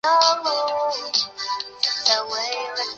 新尖额蟹属为膜壳蟹科新尖额蟹属的动物。